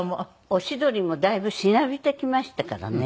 おしどりもだいぶしなびてきましたからね。